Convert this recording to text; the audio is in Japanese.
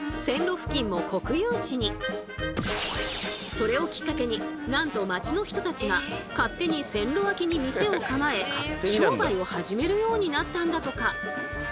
それをきっかけになんと町の人たちが勝手に線路脇に店を構え商売を始めるようになったんだとか。